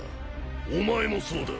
お前もそうだ。